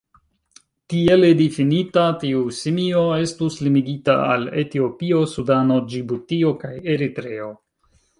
Tiele difinita, tiu simio estus limigita al Etiopio, Sudano, Ĝibutio kaj Eritreo.